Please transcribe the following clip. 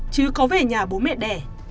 trứ có về nhà bố mẹ đẻ